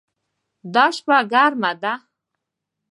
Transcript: دا شپه ګرمه ده